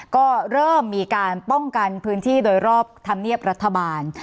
ก็เริ่มมีการป้องกันพื้นที่โดยรอบธรรมเนียบรัฐบาล